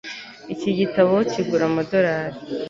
Iki gitabo kigura amadorari